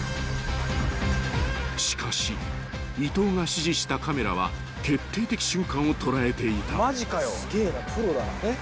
［しかし伊東が指示したカメラは決定的瞬間を捉えていた］